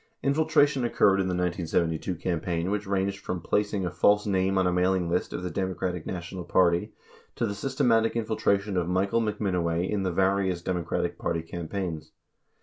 Infiltration occurred in the 1972 campaign which ranged from plac ing a false name on a mailing list of the Democratic National Party to the systematic infiltration of Michael McMinoway in the various Democratic primary campaigns.